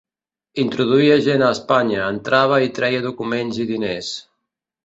Introduïa gent a Espanya, entrava i treia documents i diners.